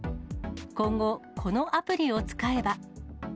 今後、このアプリを使えば。